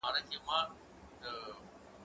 زه به سبا کالي وپرېولم؟!